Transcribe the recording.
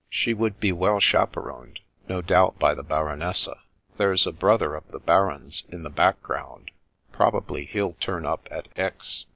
She would be well chaperoned, no doubt by the Baronessa. There's a brother of the Baron's in the background. Prob ably he'll turn up at Aix.